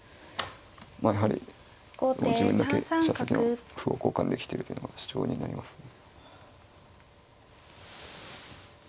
まあやはり自分だけ飛車先の歩を交換できてるというのが主張になりますね。